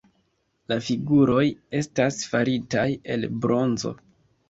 La figuroj estas faritaj el bronzo.